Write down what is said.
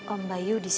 om bayu di sini abi